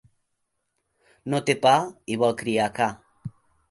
No té pa i vol criar ca.